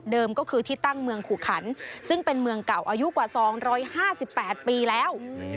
ก็คือที่ตั้งเมืองขุขันซึ่งเป็นเมืองเก่าอายุกว่า๒๕๘ปีแล้ว